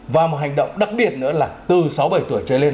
và một hành động đặc biệt nữa là từ sáu bảy tuổi trở lên